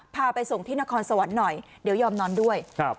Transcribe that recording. พาไปส่งที่นครสวรรค์หน่อยเดี๋ยวยอมนอนด้วยครับ